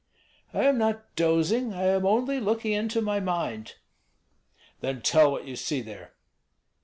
"I am not dozing, I am only looking into my mind." "Then tell what you see there."